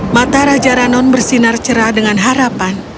mata raja ranon bersinar cerah dengan harapan